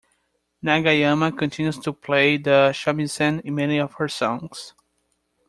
Nagayama continues to play the shamisen in many of her songs.